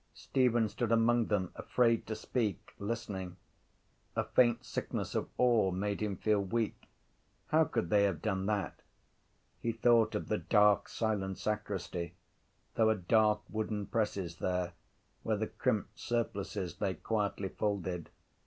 Stephen stood among them, afraid to speak, listening. A faint sickness of awe made him feel weak. How could they have done that? He thought of the dark silent sacristy. There were dark wooden presses there where the crimped surplices lay quietly folded.